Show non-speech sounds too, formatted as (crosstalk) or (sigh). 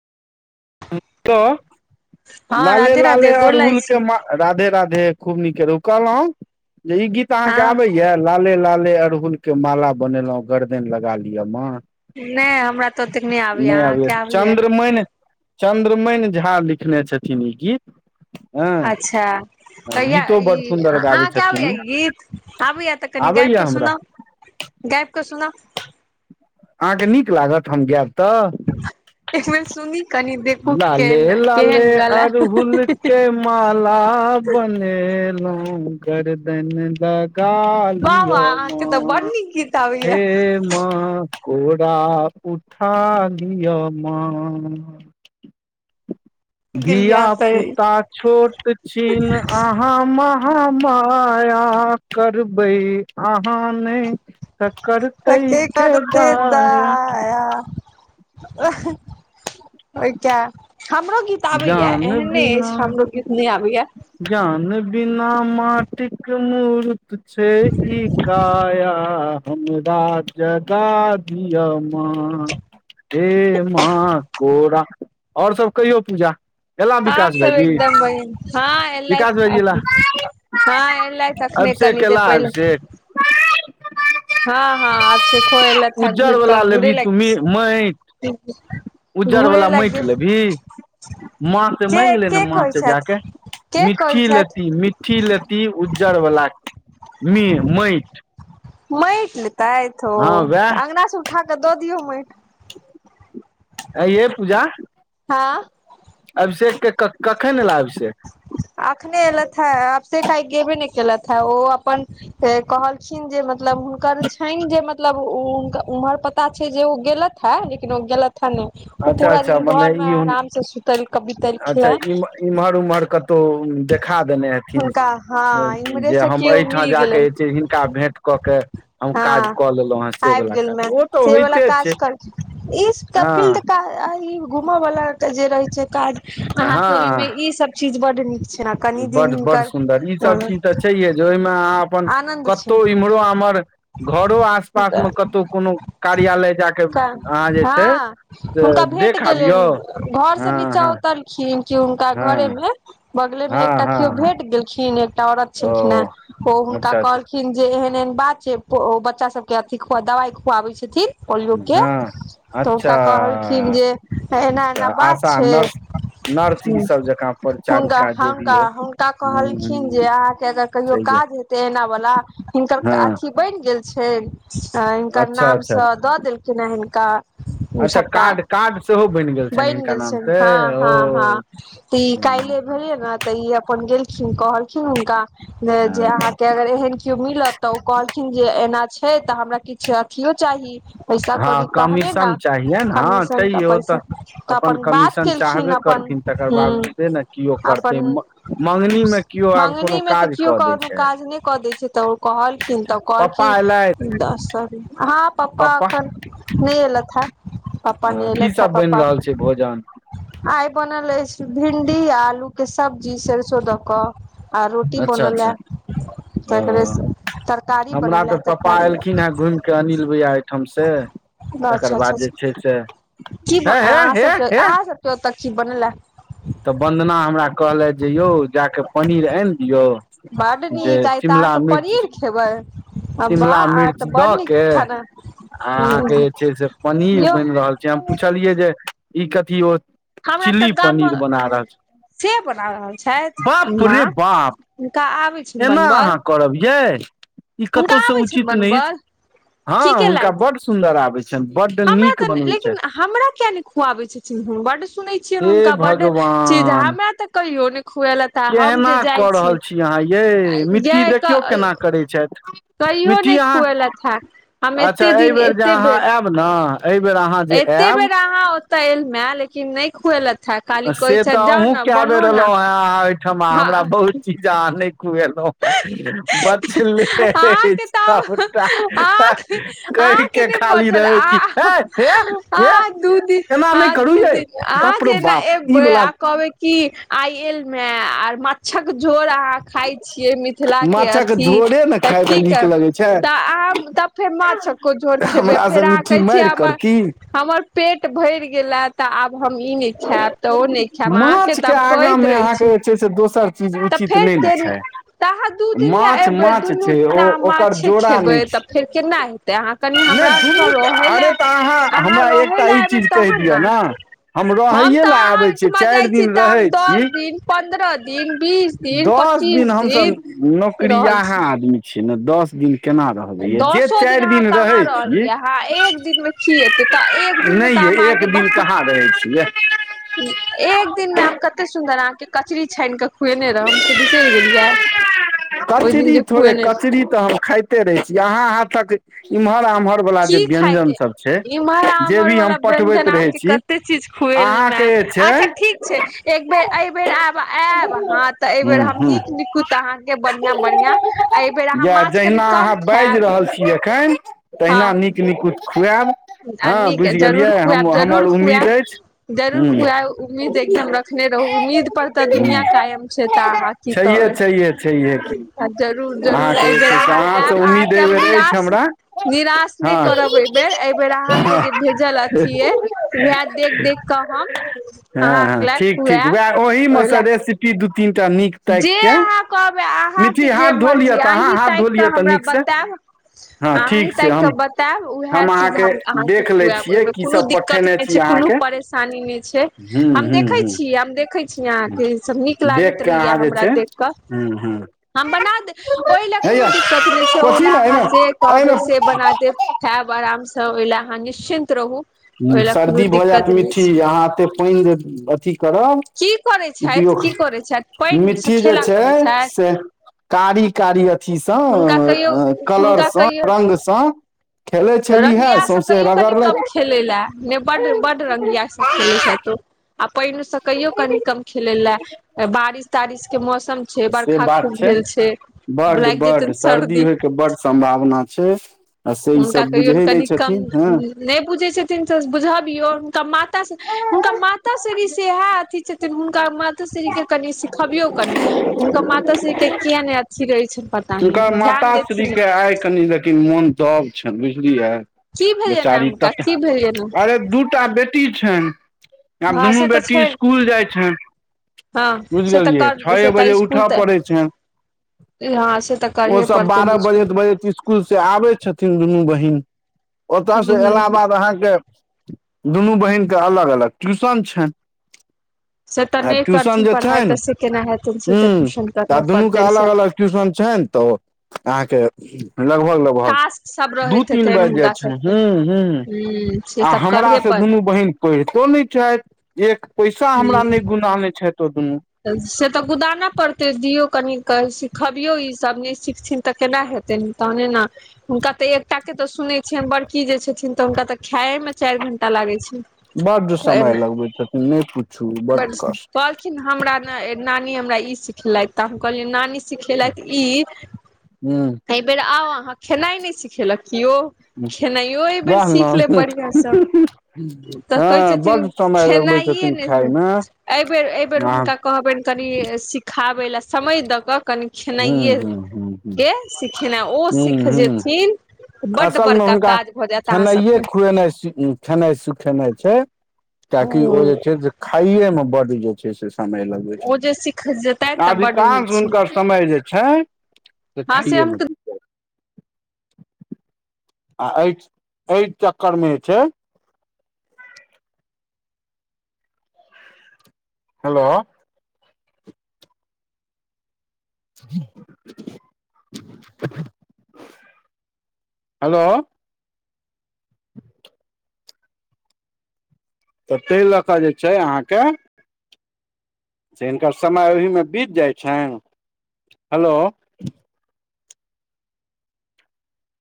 (unintelligible) हँ लाले राधे राधे लाले गोर लागै अरहुल छी के मा राधे राधे खूब नीके रहु कहलौं जे ई गीत अहाँके हँ आबैया लाले लाले अरहुल के माला बनेलों गर्दन लगा लिअ माॅं नहि हमरा तऽ ओतेक नहि आबैया अहाँके आबैया चन्द्रमनि झा लिखने छथिन ई गीत हँ अच्छा कहिया गीतो ई बड सुन्दर गाबै अहाँ के छथिन आबैया ई गीत? आबैया तऽ कनि गाबि आबैया कऽ हमरा सुनाउ, गाबि कऽ सुनाउ। अहाँके नीक लागत हम गायब तऽ एक बेर सुनी कनी देखू लाले केहन लाले केहन गला अड़हुल के माला बनेलौ गरदनि लगा वाह लिअ वाह अहाँके तऽ बड़ माँ नीक गीत आबैय हे माँ माॅं कोरा उठा लिअ माँ गेलियै अहाँ तऽ धियापुता छोट छिन आहाँ अहाॅं महामाया करबै आहाँ नई त सके करतैके करते दाया ऐसे ओइ के हमरो गीत आबैया ज्ञान एहन नहि बिना अइछ हमरो गीत नहि आबैया ज्ञान बिना माटिक मुरुत छै ई काया हमरा जगा दिय माँ हे माँ कोरा आओर सब कहियौ पूजा एला अहाँ विकास सब भाइजी एकदम बढ़िया हँ विकाश एलथि भाइजी एला अखन। हँ एलथि अखने कनी अभिषेेक देर एला पहिले अभिषेेक हँ हँ अभिषेेको एलाइथ हे उज्जर घुइर कऽ वाला घूरे लेबही लै तू मी माटि उज्जर वला माइट लेबही। माँ से के माँगि ले न, के माँ कहै से छथि जाके, के कहै मिठ्ठी छथि लेती मि ठी लेती उज्जर वला, मे माइट। माइट लेतैथ, ओ हँ वएह अंगना स उठा कऽ दऽ दियौ माइट। एअ यै पूजा। हँ। अभिषेक के कखैन एला अभिषेक? अखने एलैथ है, अभिषेक आइ गेबे नहि केलैथ है, ओ अपन कहल खिन जे मतलब, हुनकर छनि जे मत मतलब उ हुनका उम्हर पता छै जे, ओ गेलथ है, लेकिन ओ गेलथ हे नइ। ओ अच्छा पूरा अच्छा दिन मने घर मे ई हुन आराम से, सुतल कऽ बितलखिन अच्छा है। इम इम्हर -उम्हर कत तो देखा देने हेथिन, हुनका हँ इम्हरे जे से हम केओ एहिठाम मिल जाके गेलनि जे छै हिनका भेंट कऽ के हम काज हँ कऽ लेलहुँ हेँ से वला काज, ओ तऽ होइते छै। इस कपिल हँ त (unintelligible) घूमऽ वाला के जे रहे छै काज, अहां के ओय में हँ इ सब चीज बड नीकऽ बड बड़ सुन्दर! ई सब चीज तऽ छैहे। जे ओहिमे अहाॅं अपन आनन्द कतहु इम्हरो आमहर घरो आस- पास मे कतहु कोनो कार्यालय जाके का अहाँ जे छै हँ, से हुनका भेट देख आबियौ गेलनि, घर से हँ नीचा हँ उतर खिन, कि हुनका घऽरे हँ में। बगले मे हँ एकटा हँ केओ हँ भेट गेलखिन, एकटा औरत ओ छलखिन हें, ओ हुनका अच्छा अच्छा कहलखिन जे एहेन-एहेन बात छै, बच्चा सबके अथि खु दवाइ खुआबै छथिन। पोलियो के, हँ तऽ अच्छा हुनका कहलखिन जे, अच्छा एना-एना बात आशा छै। नर्स नर्स ई सब जकाँ हुनका परिचारिका जे भी हहुनका होय हुनका कहलखिन जे हूँ अहाँके अगर कहियो सही ये काज हेते एना वाला, हिनकरक हँ अथि बनि गेल छैन। अ हिनकर अच्छा अच्छा अच्छा नामसँ दऽ देलखिन हे हिनका अच्छा सभटा कार्ड कार्ड सेहो बनि गेल छनि हिनका गेल नाम छनि से, हँ हँ हँ तऽ ई ओह काल्हिे भेलियै ने तऽ ई अपन गेलखिन कहलखिन हुनका जे जे अहाँक के अगर एहन केओ मिलत तऽ, ओ कहलखिन जे एना छै तऽ हमरा किछु अथिओ चाही। पैसा हँ -कौड़ी तहने ने, कमीशन चाहियनि हँ कमीशन तऽ छैहे ओ पैसे तऽ अपन बात कमीशन केलखिन, चाहबे अपन। करथिन तकर हुॅं बावजूदे ने किओ अपन करतै मगनी मे किओ आब कोनो मंगनी मे तऽ काज क्यों कऽ दै केओक छै काज नहि कऽ दय छै, तऽ ओ कहलखिन, तऽ पप्पा एलथि कहलखिन दऽस अहाँ पप्पा अखन नहि ऐलथ हें, पप्पा अ, नहि की ऐलथ है, सब बनि पप्पाक रहल छै भोजन आइ बनल अछि, भिंडी आ आलू के सब्जी सैरसों दऽ कऽ आर रोटी अच्छा बनलए। अच्छा ओ तकरेस तरकारी हमरा बनल तऽ ऐ पप्पा तरकारी। एलखिन हे घुमि के अनिल भैया एहिठाम से तकर अच्छा! अच्छा! बाद जे छै से छा की हे हे आहाॅं हे सबके, हे आहाॅं सबके ओतऽ की बनऐ? तऽ वन्दना हमरा कहलथि जे यौ जाकऽ पनीर आनि दियौ। बड्ड जे नीक, आइ तऽ अहाँ शिमला सब मिर्च पनीर खेबै। आ वाह शिमला अहाँ मिर्च तऽ बड दऽ के, नीक आ खाना अहाँके जे छै से पनीर यौ बनि रहल छै। जे हम पुछलियै जे ई कथी ओ हमरा तऽ चिल्ली गाममे पनीर बना रहल छै। से बना रहल छथि, बाप वाँ रे हुनका आबै छनि बनवल? करबियै ई कतहुसँ छनि उचित नहि अछि, बनबल की हाॅं हुनका केलथि बड सुन्दर आबै छनि बड्ड हमरा नीक तऽ बनबैत लेकिन छथि। हमरा किया नहि खुआबै छथिन। बड सुनै छियनि हे हुनका बड चीज भगवान हमरा तऽ कहियो नहि खुएलैथ। आ हम केहना जे जाइ कऽ रहल छीयन। छी अहाँ यै गै मिट्टी ए देखियौ कऽ केना करै छथि कहियो मिट्टी नहि अहाँ खुऐलैथ हें। हम एते दिन एते बेर आब ने एहि बेर अहाँ जे आयब एल मैं लेकिन नहि खुऐलक से तऽ अहूँ कए बेर ने ऐलहुँ हेँ अहाँ एहिठमा हमरा हँ बहुत चीज आहॅं नहि खुएलहुं हें मछली हे हे हे अहाँके तऽ सबटा अहाँके अहाँके कहिके खाली रहै छी है ऐह। आर दू दिन हँ दू दिन अहाॅं बाप रौ जेना बाप ई एबै वला आ कहबै की आइ एल में आर माछक झोर अहाँ खाय छियै मिथिलाके माछक अथी झोरे ने तऽ खायमे की नीक करू लगै छै तऽ अहाँ तब फेर माछक्को झोर खेबै, हमरा से फेर अहाँ मिट्ठी कहै छियै मारि हमर करती हमर पेट भरि गेला तऽ आब हम ई नहि खायब तऽ ओ नहि खायब अहाँके माछ के तऽ हम आगा कहैत मे रहै अहाँके छी। जे छै से दोसर चीज तऽ उचित फेर नहि ने केना छै। तऽ अहाँ दू दिन लए माछ एबै माछ दुनू छै दिना ओ आहाॅं ओकर माछे जोड़ा खेबै नहि तऽ छै फेर केना तऽ अहाँ कनि नहि हमरा ओठाॅं दुनू रऽहै लऽ अरे तऽ अहाँ हमरा रऽहै एकटा लऽ ई ऐयबै चीज कहि तहन दिअ नां। ने हम रहैए तऽ लए आहाँ आबै छियै एहिठमा चारि जाइ छी दिन तऽ रहै छी दस दिन पन्द्रह दिन बीस दिन दस दिन पच्चीस हमसभ रहल नौकरीयाहा छी आदमी छियै ने दस दिन केना रहब। अभिय जे चारि दिन रहै छी। हँ एक दिन मे की हेते तऽ एक दिन मे नहि तऽ यै अहाँ के एक बढ़। दिन कहाँ रहै छियै एक दिन में आब कते सुंन्दर अहाँ के कचरी छानि कऽ। खुएने रहउ हम से बिसरि गेलियै ओहि दिन कचरी जे थोड़े खुएने रह। कचरी तऽ हम खाइत। खइते रहै छी अहाँ हाथक इम्हर आम्हर। वला जे की व्यञ्जन खायकते सब छै इम्हर जे आमहर भी हम वाला व्यंजन पठबैत रहै अहाँके छी कते चीज। हौल मे अहाँके जे अच्छा छै ठीक छै एक बेर एहिबर आब आयब अहाँ। तऽ हूँ एहिबेर हम हूँ नीक निकुत अहाँके बढ़िआँ बढ़िआं आ एहिबेर अहाँ इएह माछ कनि जहिना कम अहाँ बाजि खायब। रहल छी एखन तहिना हँ नीक निकुत खुआब। आ हँ नीक बुझि जरूर गेलियै हम खुआब हमर जरूर उम्मीद खुआब अछि। जरूर हूँ हूँ खुआब उम्मीद एकदम रखने रहू उम्मीद पर तऽ दुनिया कायम छै। तऽ अहाँ की छैहे कहबै छैहे छैहे हँ जरूर-जरूर एहिबेर अहाँ आयब आ। ऐबेर अछि हमरा। निराश नहि हँ करबै ऐबेर। बेर अहाँ के जे भेजल अथि ऐह वएह देख देख क हम। हँ हँ अहाँके लए ठीक ठीक खुआएब वएह ओहि मे सँ रेसिपी दू तीन टा नीक। ताकि जे के अहाँ कहबै मिट्टी अहाँके जे हाथ धो लिअ मर्जी तऽ अहाँ अहीं हाथ ताकि धो कऽ लिअ तऽ हमरा नीकसँ बतायब। हँ अही ठीक छै ताकि कऽ हम बतायब उएह चीज अहाँके हम अहाँके देख लै खुआएब छियै ओहिमे की कोनो सब दिक्कत। पठेने दिक्कत नहि छी छै कोनो अहाँके परेशानी नहि छै ह्म हम ह्म देखे छी ह्म हम देखे छी अहां के ई सब नीक लागे। देख कऽ रहैया अहाँ जे हमरा छै देख कऽ। ह्म ह्म हम बना देब ओहि लए हे कोनो यौ दिक्कत नहि छै ओहि ल कोसी ने अहाँ एहिमे जे कहबै से एहिमे बना देब। खायब आराम से ओहि लए अहाँ निश्चिन्त रहू। हूँ ओहि लए कोनो सर्दी भऽ जायत दिक्कत नहि मिट्ठी छै अहाँ एतेक पानि अथी करब। की करै छथि उपयोग की करै छथि पानिसँ मिट्ठी जे खेला करै छै छथि से। कारी कारी अथीसँ हुनका कहियो हुनका कलरसँ रंगसँ। खेलै छलीहे रंगिया स सौँसे कहियौ कनि कम रगड़लथि खेलय लए। ने बड बड रंगियास से खेले छथि आब पहिने से कहियो कनि कम। खेले ले बारिश तारिश के मौसम। छै से बरखा बात खूब छै भेल बड लागि बड जेतनि सर्दी होयके बड। सम्भावना छै आ से ई हुनका सब बुझै कहियौन कनि नहि कम छथिन हँ। नहि बुझै छथिन त बुझबियौ हुनका माताँ। हुनका माता क्ष्री से इएह अथथि छथिन हुनका माता क्ष्री के। कनि सिखबियो कनि हुनकर माता क्ष्री के किया ने अथी रहे छनि प। हुनकर माताश्रीके आइ कनि लेकिन मोन दब छनि बुझलियै। की भेलनि ने बेचारी हुनका त की भेलनि ने अरे दूटा बेटी छनि। आब हँ दुनू से तऽ बेटी छै इसकूल जाय छैन। हँ से तऽ बुझिगेलियै कर से छए तऽ बजे इसकुल उठय तऽ पड़ैत छनि। हँ से। तऽ ओ करहे सब पड़तनि बारह बजेत इसकुल बजेत इ। इसकुल से आबै छथिन दुनू बहिन ओतय से हूँ अयला हूँ बाद अहाँके। दुनू बहिनके अलग अलग ट्यूशन छनि। से तऽ आ नहि ट्यूशन करथिन जे पढ़ाइ तऽ छनि से केना हेतनि से तऽ हूँ ट्यूशन तऽ करहे दुनू के पड़तनि से अलग अलग। ट्यूशन छनि तऽ अहाँ के लगभग ल। टास्क सब दु रहैत तीन हेतनि बाज जाइ हुनका छनि सबके हूँ हूँ ह से आ सब हमरा करहे से पर दुनू बहिन। पढ़ितो नहि छथि एक पैसा ह हमरा नहि गुदानै छथि ओ दुनू। से तऽ गुदानऽ पड़तै दियौ कनि कऽ सिखबियौ ईसभ नहि सिखथिन। तऽ केना हेतैन तहने ने। हुनका तऽ एकटा के तऽ सुने छियनि बड़की जे छथिन तऽ हुनका तऽ खायए में चारि घंटा लागे छै। बड समय लगबै छथिन नहि पुछू। ब कहलखिन हमरा ने नानी हमरा ई सिखलथि तऽ हम कहलियै नानी। सिखेलथि ई ह एहि बेेर आउ अहाँ खेनाइ नहि सिखेलक केओ। खेनाइयो एहि बेेर वएह सीख लेब ने बढ़िआँसँ तऽ कहैत हँ छथिन। बड्ड समय लगबै छथिन खेनाइए ने। खायमे एहिबेर एहिबेर आ हुनका कहबनि कनि सिखाबै लए समय दऽ क। ह कनखेनाइए ह के सिखेनाइ ओ सिख जेथिन। बड्ड असल मे बड़का हुनका काज भऽ जायत अहाँ खेनाइए सबके खुएनाइ खेनाइ सखेनाइ छै। ताकि ओ जे छै से खाइये मे बड जे छै से समय लग। ओ जे सीख जेतै तऽ बड्ड नीक अधिकांश छै हुनकर समय जे छै से हँ से हम खाइएमे द। आ एहि एहि चक्कर मे जे छै। हेलो। हेलो। तऽ ताहि लऽ कऽ जे छै अहाँके। से हिनकर समय ओहिमे बीत जाइत छनि हेलो।